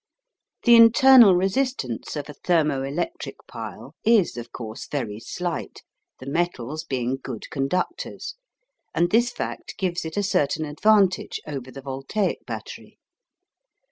The internal resistance of a "thermo electric pile" is, of course, very slight, the metals being good conductors, and this fact gives it a certain advantage over the voltaic battery.